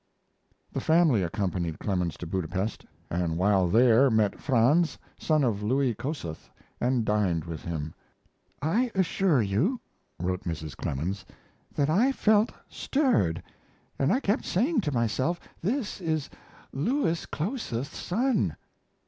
The family accompanied Clemens to Budapest, and while there met Franz, son of Louis Kossuth, and dined with him. I assure you [wrote Mrs. Clemens] that I felt stirred, and I kept saying to myself "This is Louis Kossuth's son."